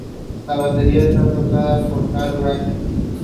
She currently ranks in several career records for the school.